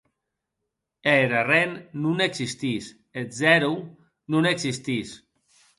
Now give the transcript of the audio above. E er arren non existís, eth zèro non existís.